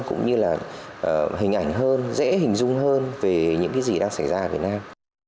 cũng như là hình ảnh hơn dễ hình dung hơn về những cái gì đang xảy ra ở việt nam